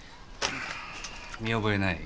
見覚えない？